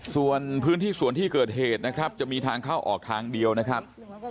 ส่วนพื้นที่ส่วนที่เกิดเหตุนะครับจะมีทางเข้าออกทางเดียวนะครับ